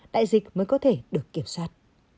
đại dịch mới có thể được kiểm soát